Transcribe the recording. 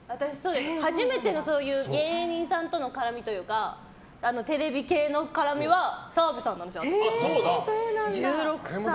初めての芸人さんとの絡みというかテレビ系の絡みは澤部さんなんです。